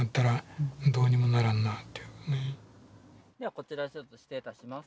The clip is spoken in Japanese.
こちらちょっと失礼いたします。